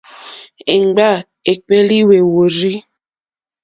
Èmgbâ èkpéélì wêhwórzí.